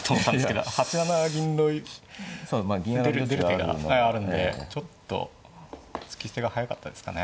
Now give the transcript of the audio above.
８七銀の出る手があるんでちょっと突き捨てが早かったですかね。